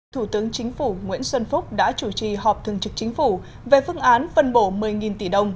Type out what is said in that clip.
thủ tướng chính phủ nguyễn xuân phúc đã chủ trì họp thường trực chính phủ về phương án phân bổ một mươi tỷ đồng